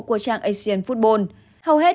của trang asian football hầu hết